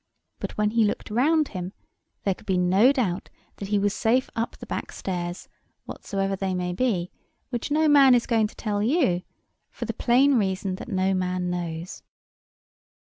But, when he looked round him, there could be no doubt that he was safe up the backstairs, whatsoever they may be, which no man is going to tell you, for the plain reason that no man knows.